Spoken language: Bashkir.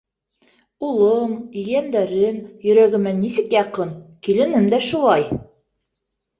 Улым, ейәндәрем йөрәгемә нисек яҡын, киленем дә шулай.